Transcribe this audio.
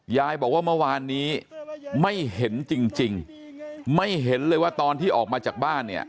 ยายบอกว่าเมื่อวานนี้ไม่เห็นจริงไม่เห็นเลยว่าตอนที่ออกมาจากบ้านเนี่ย